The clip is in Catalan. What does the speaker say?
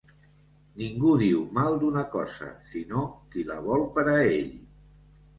Ningú diu mal d'una cosa, sinó qui la vol per a ell.